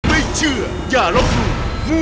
ไม่เชื่ออย่าล้มหนู